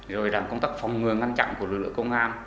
rồi làm công tác phòng ngừa ngăn chặn của lực lượng công an